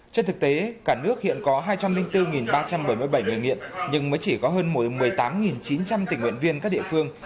trên thực tế cả nước hiện có hai trăm linh bốn ba trăm bảy mươi bảy người nghiện nhưng mới chỉ có hơn một mươi tám chín trăm linh tình nguyện viên các địa phương